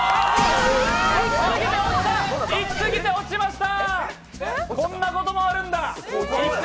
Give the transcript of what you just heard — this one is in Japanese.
いきすぎて、落ちました！